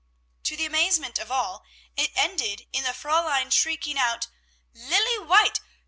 To the amazement of all, it ended in the Fräulein shrieking out, "Lilly White!